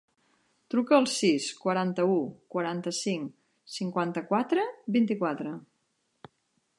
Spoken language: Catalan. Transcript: Truca al sis, quaranta-u, quaranta-cinc, cinquanta-quatre, vint-i-quatre.